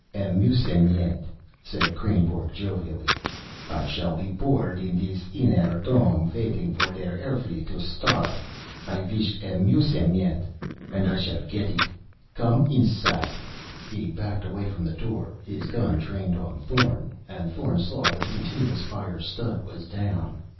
"Amusement," said Kreynborg jovially. "I shall be bored in this inner dome, waiting for der air fleet to starfe. I wish amusement. And I shall get it. Come inside!" He backed away from the door, his gun trained on Thorn. And Thorn saw that the continuous fire stud was down.